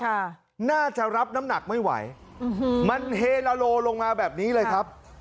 ค่ะน่าจะรับน้ำหนักไม่ไหวอืมมันเฮลาโลลงมาแบบนี้เลยครับ